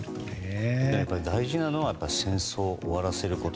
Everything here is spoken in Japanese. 大事なのは戦争を終わらせること。